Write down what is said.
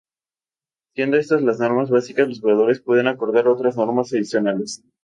Siendo estas las normas básicas, los jugadores pueden acordar otras normas adicionales.